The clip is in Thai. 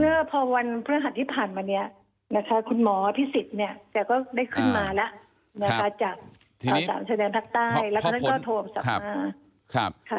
เมื่อพอวันพฤหัสที่ผ่านมานี้คุณหมอพี่สิทธิ์ก็ได้ขึ้นมาแล้วจากตามชัยแดนภาคใต้แล้วท่านก็โทรมาสัมมา